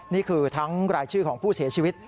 นี่คือทั้งรายชื่อของผู้เสียชีวิต